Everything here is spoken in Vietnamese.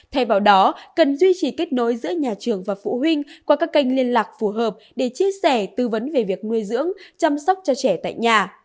thay vào đó cần duy trì kết nối giữa nhà trường và phụ huynh qua các kênh liên lạc phù hợp để chia sẻ tư vấn về việc nuôi dưỡng chăm sóc cho trẻ tại nhà